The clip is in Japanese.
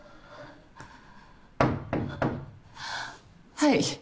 はい。